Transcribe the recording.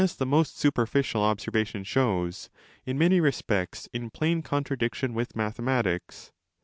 299° DE CAELO the most superficial observation shows, in many respects in plain contradiction with mathematics.